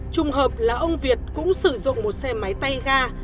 trùng hợp là ông việt cũng sử dụng một xe máy tay ga